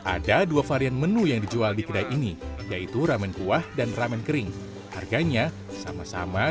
ada dua varian menu yang dijual di kedai ini yaitu ramen kuah dan ramen kering harganya sama sama